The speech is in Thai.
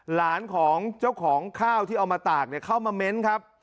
หลานของเจ้าของข้าวที่เอามาตากเข้ามาเม้นครับ